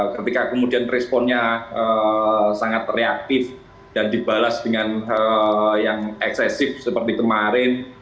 ketika kemudian responnya sangat reaktif dan dibalas dengan yang eksesif seperti kemarin